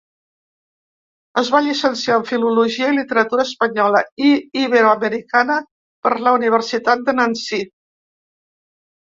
Es va llicenciar en filologia i literatura espanyola i iberoamericana per la Universitat de Nancy.